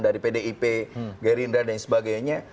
dari pdip gerindra dan sebagainya